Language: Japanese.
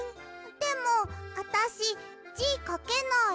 でもあたしじかけない。